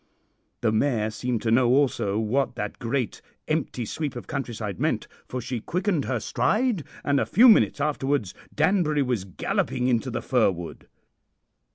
The mare seemed to know also what that great empty sweep of countryside meant, for she quickened her stride, and a few minutes afterwards Danbury was galloping into the fir wood.